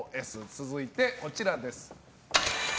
続いてこちらです。